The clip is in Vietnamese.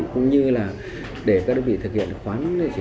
cũng như để các đơn vị thực hiện khoán kinh tế dụng xe